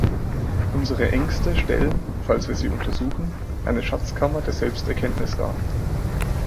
Unsere Ängste stellen, falls wir sie untersuchen, eine Schatzkammer der Selbsterkenntnis dar.